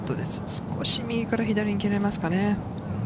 少し右から左に切れますかね。